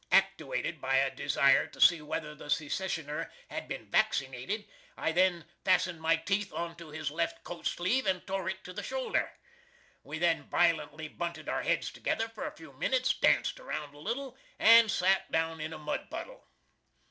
Actooated by a desire to see whether the Secesher had bin vaxinated I then fastened my teeth onto his left coat sleeve and tore it to the shoulder. We then vilently bunted out heads together for a few minutes, danced around a little, and sot down in a mudpuddle.